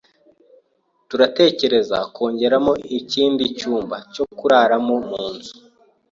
Turatekereza kongeramo ikindi cyumba cyo kuraramo munzu.